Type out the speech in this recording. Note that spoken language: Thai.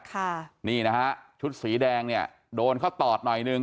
ค่ะนี่นะฮะชุดสีแดงเนี่ยโดนเขาตอดหน่อยหนึ่ง